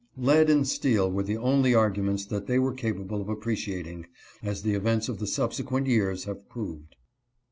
Lead and steel were the only arguments that they were capable of appreciating, as the events of the subsequent years have proved.